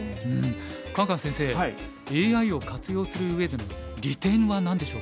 カンカン先生ＡＩを活用する上での利点は何でしょうか。